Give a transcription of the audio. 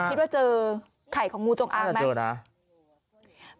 ปิ๊บปว่าเจอไข่ของงูจงอางมั้ยปิ๊บปั้งจ้าเจอนะ